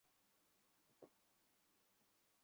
তাঁর কিতাবগুলো এই প্রতিষ্ঠানের জন্যে তিনি ওয়াকফ করে দেন।